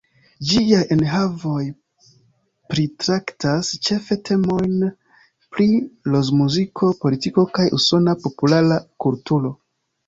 Ĝiaj enhavoj pritraktas ĉefe temojn pri rokmuziko, politiko, kaj usona populara kulturo.